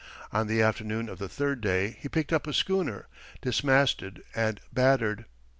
On the afternoon of the third day he picked up a schooner, dismasted and battered.